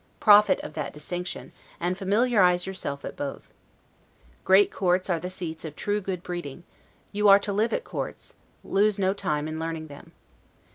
Profit of that distinction, and familiarize yourself at both. Great courts are the seats of true good breeding; you are to live at courts, lose no time in learning them.